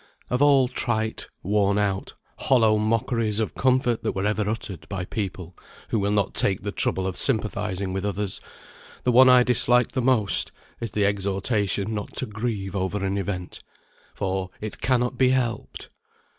Of all trite, worn out, hollow mockeries of comfort that were ever uttered by people who will not take the trouble of sympathising with others, the one I dislike the most is the exhortation not to grieve over an event, "for it cannot be helped."